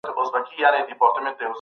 یې وایستل شکرونه